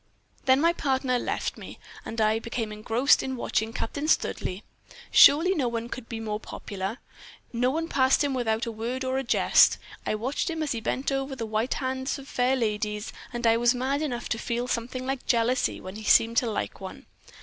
"Then my partner left me, and I became engrossed in watching Captain Studleigh. Surely no one could be more popular; no one passed him without a word or a jest. I watched him as he bent over the white hands of fair ladies, and I was mad enough to feel something like jealousy when he seemed to like one.